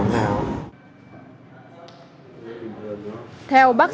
theo bác sĩ hà ngọc mạnh